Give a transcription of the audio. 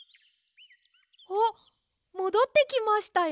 あっもどってきましたよ。